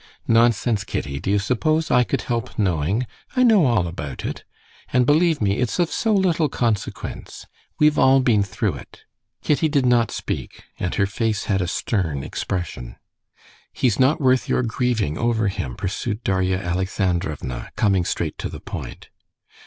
"Nonsense, Kitty. Do you suppose I could help knowing? I know all about it. And believe me, it's of so little consequence.... We've all been through it." Kitty did not speak, and her face had a stern expression. "He's not worth your grieving over him," pursued Darya Alexandrovna, coming straight to the point.